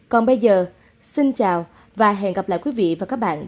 còn bây giờ xin chào và hẹn gặp lại quý vị và các bạn